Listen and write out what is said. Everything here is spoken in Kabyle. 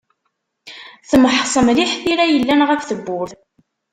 Temḥeṣ mliḥ tira yellan ɣef tewwurt.